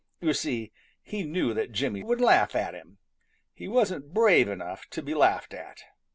You see, he knew that Jimmy would laugh at him. He wasn't brave enough to be laughed at.